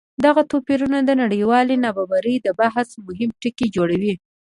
دغه توپیرونه د نړیوالې نابرابرۍ د بحث مهم ټکی جوړوي.